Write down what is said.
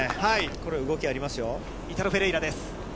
これ、動きありイタロ・フェレイラです。